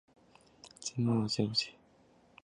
郑和亦尝裔敕往赐。